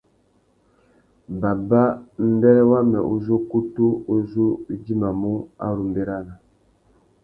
Baba, mbêrê wamê uzu ukutu u zu u idjimamú a ru mʼbérana.